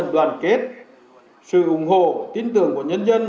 được ủng hộ tin tưởng của nhân dân